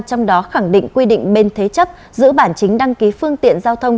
trong đó khẳng định quy định bên thế chấp giữ bản chính đăng ký phương tiện giao thông